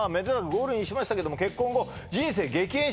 ゴールインしましたけども結婚後人生激変します